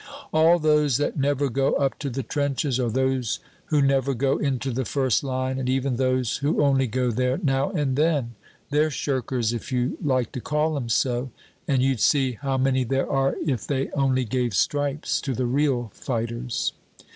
"All those that never go up to the trenches, or those who never go into the first line, and even those who only go there now and then, they're shirkers, if you like to call 'em so, and you'd see how many there are if they only gave stripes to the real fighters."